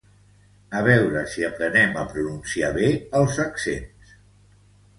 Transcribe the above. A veure si aprenem a pronunciar bé els accents